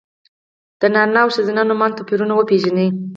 د نارینه او ښځینه نومونو توپیرونه وپېژنئ!